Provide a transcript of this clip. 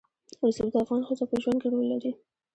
رسوب د افغان ښځو په ژوند کې رول لري.